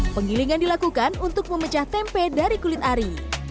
penggilingan dilakukan untuk memecah tempe dari kulit ari